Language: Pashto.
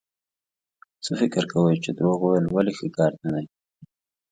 څه فکر کوئ چې دروغ ويل ولې ښه کار نه دی؟